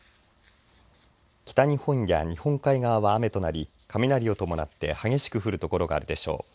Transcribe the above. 北日本や日本海側は雨となり雷を伴って激しく降るところがあるでしょう。